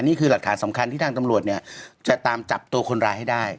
นี่คือหลักฐานสำคัญที่ทางตำรวจเนี่ยจะตามจับตัวคนร้ายให้ได้